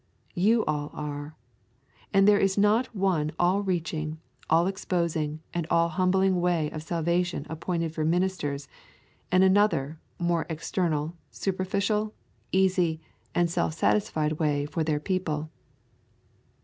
You all are. And there is not one all reaching, all exposing, and all humbling way of salvation appointed for ministers, and another, a more external, superficial, easy, and self satisfied way for their people.